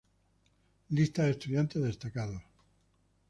Lista de estudiantes destacados